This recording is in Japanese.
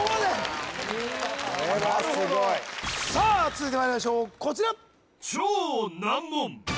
これはすごいさあ続いてまいりましょうこちら